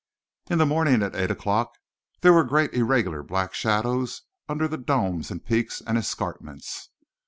In the morning at eight o'clock there were great irregular black shadows under the domes and peaks and escarpments.